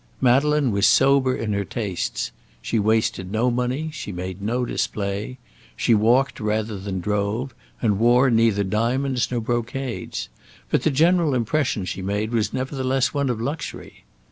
Madeleine was sober in her tastes. She wasted no money. She made no display. She walked rather than drove, and wore neither diamonds nor brocades. But the general impression she made was nevertheless one of luxury.